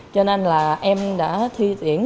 cho nên là em đã thi tuyển